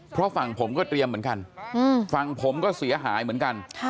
เพราะฝั่งผมก็เตรียมเหมือนกันฝั่งผมก็เสียหายเหมือนกัน